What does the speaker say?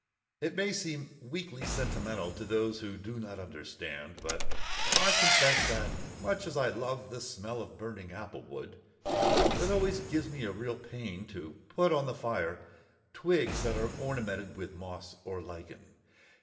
It may seem weakly sentimental to those who do not understand, but I confess that, much as I love the smell of burning applewood, it always gives me a real pain to put on the fire twigs that are ornamented with moss or lichen.